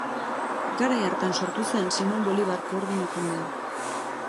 Garai hartan sortu zen Simon Bolivar koordinakundea.